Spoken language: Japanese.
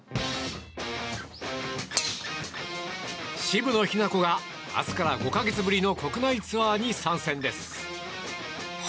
渋野日向子が明日から５か月ぶりの国内ツアーに参戦です。